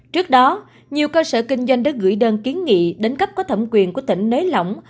trước đó nhiều cơ sở kinh doanh đã gửi đơn kiến nghị đến cấp có thẩm quyền của tỉnh nới lỏng